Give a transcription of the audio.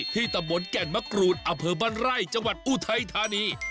ที่ตำบลแก่นมะกรูดอเภอบ้านไร่จังหวัดอุทัยธานี